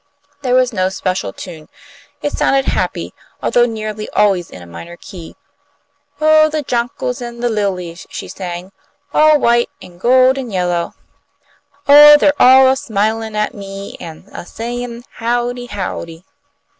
There was no special tune. It sounded happy, although nearly always in a minor key. "Oh, the jonquils an' the lilies!" she sang. "All white an' gold an' yellow. Oh, they're all a smilin' at me, an' a sayin' howdy! howdy!"